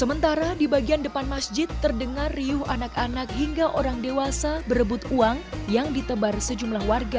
sementara di bagian depan masjid terdengar riuh anak anak hingga orang dewasa berebut uang yang ditebar sejumlah warga